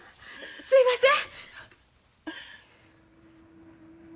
すいません！